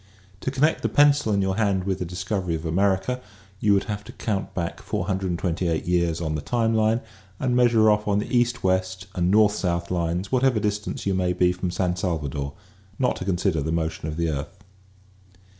To connect the pencil in your hand with the discovery of America you would have to count back 428 years on the time line and measure off on the east west and north south lines whatever distance you may be from San Salvador — not to consider the motion of the earth.